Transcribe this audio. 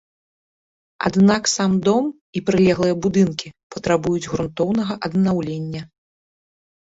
Аднак сам дом і прылеглыя будынкі патрабуюць грунтоўнага аднаўлення.